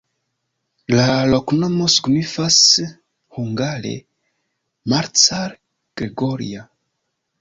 La loknomo signifas hungare: Marcal-Gregoria.